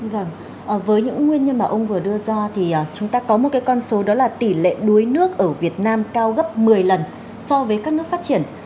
vâng với những nguyên nhân mà ông vừa đưa ra thì chúng ta có một cái con số đó là tỷ lệ đuối nước ở việt nam cao gấp một mươi lần so với các nước phát triển